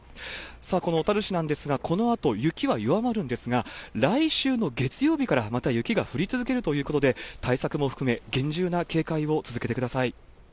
さあ、この小樽市なんですが、このあと雪は弱まるんですが、来週の月曜日から、また雪が降り続けるということで、対策も含め、厳重な警戒を続けてください。